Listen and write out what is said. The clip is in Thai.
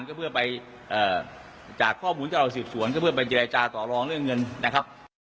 ก็เพื่อไปจากข้อมูลที่เราสืบสวนก็เพื่อไปเจรจาต่อรองเรื่องเงินนะครับ